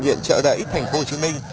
nguyện trợ đẩy thành phố hồ chí minh